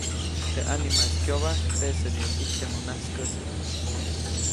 Teʼ ʼanimaʼis kyobajk teʼsediʼuŋ ʼijtyaju najskäsi.